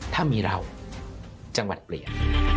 ถ้ามีเราจังหวัดเปลี่ยน